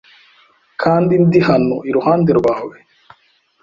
kandi ndi hano iruhande rwawe.”